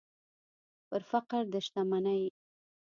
پر فقر د شتمنۍ